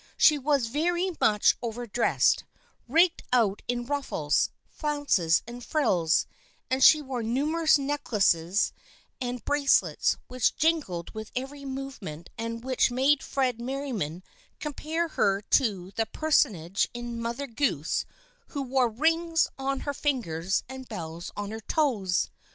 She was very much over dressed, rigged out in ruffles, flounces and frills, and she wore numerous necklaces and 202 THE FKIENDSHIP OF ANNE bracelets which jingled with every movement and which made Fred Merriam compare her to the per sonage in Mother Goose who " wore rings on her fingers and bells on her toes."